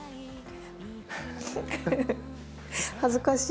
恥ずかしい。